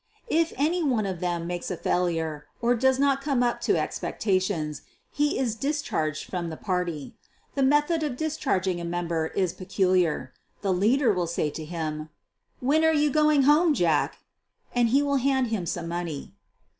If any one of them makes a failure, or does not come up to expectations, he is discharged from the party. The method of discharging a member ia peculiar. The leader will say to him: "When are you going home, Jack? " and he will hand him some money.